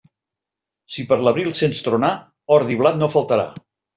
Si per l'abril sents tronar, ordi i blat no faltarà.